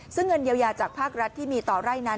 ซึ่งเงินเยียวยาจากภาครัฐที่มีต่อไร่นั้น